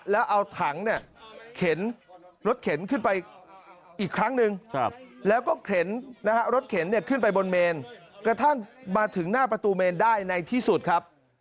แล้วเอาถังเนี่ยเข็นรถเข็นขึ้นไปอีกครั้งหนึ่งแล้วก็เข็นขึ้นไปบนเมนกระทั่งมาถึงหน้าประตูเมนได้ในที่สุดครับ